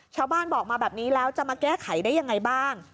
ชาวบ้านบอกมาแบบนี้แล้วจะมาแก้ไขได้ยังไงบ้าง